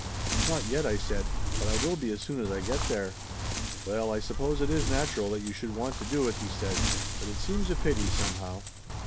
"Not yet," I said. "But I will be as soon as I get there." "Well, I suppose it is natural that you should want to do it," he said. "But it seems a pity, somehow."